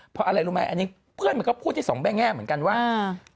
เพราะอะไรรู้ไหมอันนี้เพื่อนมันก็พูดที่สองแง่แง่เหมือนกันว่า